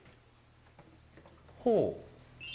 ほう。